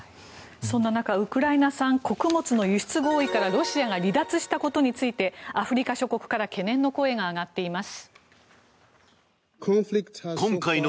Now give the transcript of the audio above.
そんな中ウクライナ産穀物の輸出合意からロシアが離脱したことについてアフリカ諸国から懸念の声が上がっています。